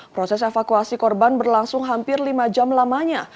proses evakuasi korban berlangsung hampir lima jam lamanya